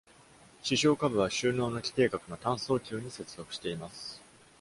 視床下部は、終脳の基底核の淡蒼球に接続しています。